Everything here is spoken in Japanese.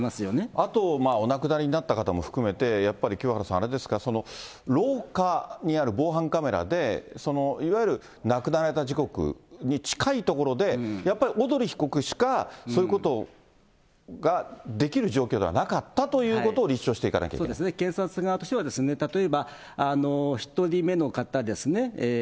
あと、お亡くなりになった方も含めて、やっぱり清原さん、あれですか、廊下にある防犯カメラで、いわゆる亡くなられた時刻に近いところでやっぱり小鳥被告しか、そういうことができる状況ではなかったということを立証していかそうですね、検察側としては例えば、１人目の方ですね。